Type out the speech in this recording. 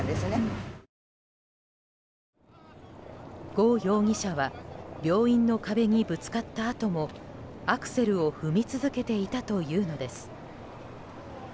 ゴ容疑者は病院の壁にぶつかったあともアクセルを踏み続けていたというのです。